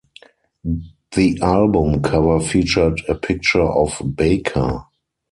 The album cover featured a picture of Baker.